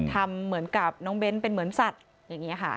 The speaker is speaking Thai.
ทำเหมือนกับน้องเบ้นเป็นเหมือนสัตว์อย่างนี้ค่ะ